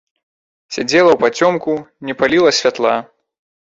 Сядзела ўпацёмку, не паліла святла.